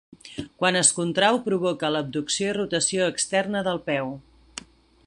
Quan es contrau, provoca l'abducció i rotació externa del peu.